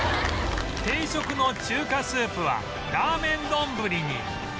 定食の中華スープはラーメンどんぶりに